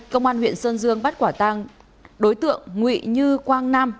công an huyện sơn dương bắt quả tăng đối tượng nguy như quang nam